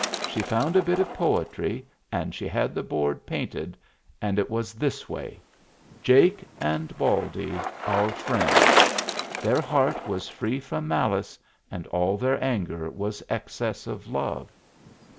She found a bit of poetry and she had the board painted, and it was this way: "Jake and Baldy. Our Friends. Their heart was free from malice, and all their anger was excess of love."